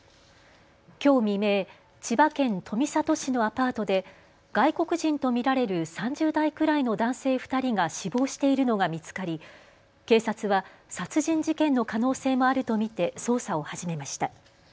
きょう未明、千葉県富里市のアパートで外国人と見られる３０代くらいの男性２人が死亡しているのが見つかり、警察は殺人事件の可能性もあると見て捜査を始めました。